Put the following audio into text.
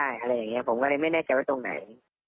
อะไรอย่างนี้ผมก็เลยไม่แน่ใจว่าตรงไหน